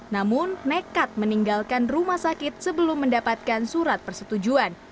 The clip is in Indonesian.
namun nekat meninggalkan rumah sakit sebelum mendapatkan surat persetujuan